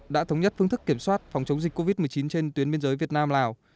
đã thống nhất phương thức kiểm soát phòng chống dịch covid một mươi chín trên tuyến biên giới việt nam lào